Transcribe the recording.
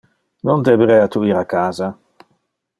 Non deberea tu ir casa?